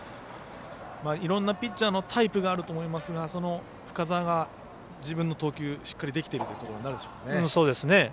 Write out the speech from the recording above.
いろんなピッチャーのタイプがあると思いますが深沢も自分の投球しっかりできているといえるでしょうか。